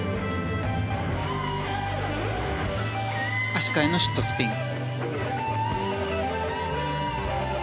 足換えのシットスピン。